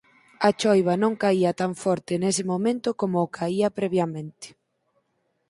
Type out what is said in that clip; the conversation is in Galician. A choiva non caía tan forte nese momento como o caía previamente.